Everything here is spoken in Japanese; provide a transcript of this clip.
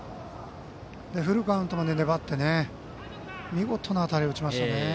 フルカウントまで粘って見事な当たりを打ちましたね。